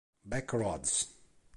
Back Roads